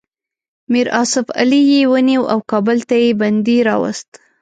میر آصف علي یې ونیو او کابل ته یې بندي راووست.